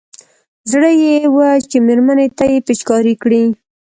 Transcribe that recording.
زړه يې و چې مېرمنې ته يې پېچکاري کړي.